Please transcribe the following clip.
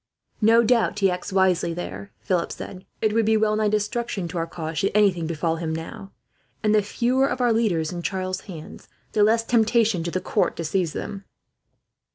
"No doubt he acts wisely, there," Philip said. "It would be well nigh destruction to our cause, should anything befall him now; and the fewer of our leaders in Charles's hands, the less temptation to the court to seize them.